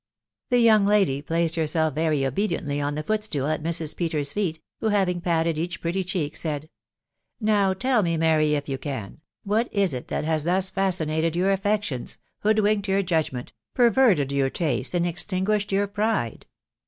The young lady placed herself very obediently on the foot stool at Mrs. Peters's feet, who having patted each pretty cheek, said, " Now tell me, Mary, if you can, what it is that has thus fascinated your affections, hoodwinked your judg ment, perverted your taste, and extinguished your pride